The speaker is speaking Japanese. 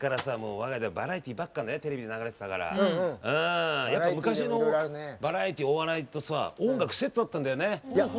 我が家ではバラエティーばっかねテレビで流れてたから昔のバラエティーお笑いと音楽セットだったんだよね。